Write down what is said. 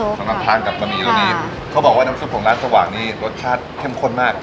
สำหรับทานกับบะหมี่ตัวนี้เขาบอกว่าน้ำซุปของร้านสว่างนี่รสชาติเข้มข้นมาก